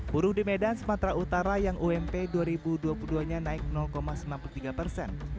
buruh di medan sumatera utara yang ump dua ribu dua puluh dua nya naik sembilan puluh tiga persen